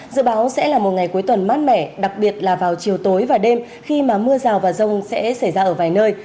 dự báo sẽ là một ngày cuối tuần mát mẻ đặc biệt là vào chiều tối và đêm khi mà mưa rào và rông sẽ xảy ra ở vài nơi